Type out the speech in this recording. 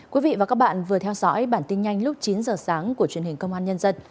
quý vị và các bạn vừa theo dõi bản tin nhanh lúc chín giờ sáng của truyền hình công an nhân dân